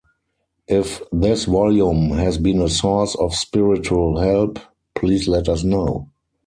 If this volume has been a source of spiritual help, please let us know.